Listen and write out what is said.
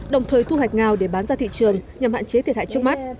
đồng thời thu hoạch ngao để bán ra thị trường nhằm hạn chế thiệt hại trước mắt